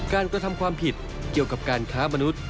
กระทำความผิดเกี่ยวกับการค้ามนุษย์